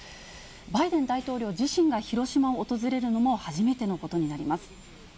バイデン大統領自身が広島を訪れるのも初めてのことになります。